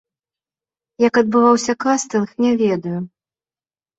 Як адбываўся кастынг, не ведаю.